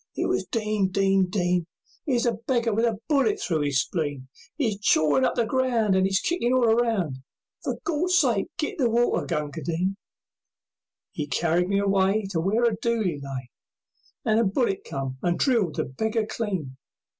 It was "Din! Din! Din! 'Ere's a beggar with a bullet through his spleen 'E's chawin up the ground, And 'e's kickin' all around, For Gawd's sake get the water, Gunga Din!" 'E carried me away To where a dooli lay, And a bullet came and drilled the beggar clean.